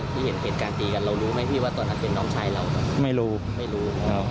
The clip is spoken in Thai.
ว่าทำได้หน้าชายเล่าไม่รู้ไม่รู้